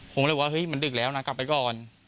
ผมเลยว่าเฮ้ยมันดึกแล้วนะกลับไปก่อน